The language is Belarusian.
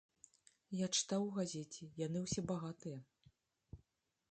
Я чытаў у газеце, яны ўсе багатыя!